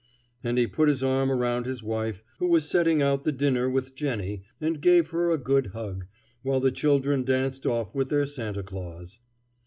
And he put his arm around his wife, who was setting out the dinner with Jennie, and gave her a good hug, while the children danced off with their Santa Claus.